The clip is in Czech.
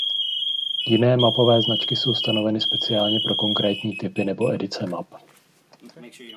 Jiné mapové značky jsou stanoveny speciálně pro konkrétní typy nebo edice map.